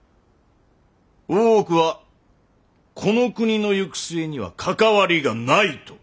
大奥はこの国の行く末には関わりがないと。